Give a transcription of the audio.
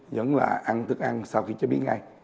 vẫn là ăn thức ăn sau khi chế biến ngay